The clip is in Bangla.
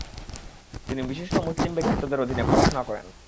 তিনি বিশিষ্ট মুসলিম ব্যক্তিত্বদের অধীনে পড়াশোনা করেন।